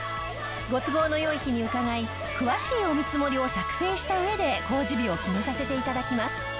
ご都合の良い日に伺い詳しいお見積もりを作成した上で工事日を決めさせて頂きます。